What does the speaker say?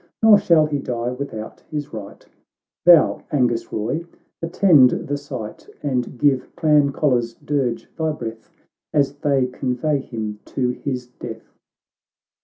— Nor shall he die without his rite ;— Thou, Angus Roy, attend the sight, And give Clan Colla's dirge thy breath, As they convey him to his death."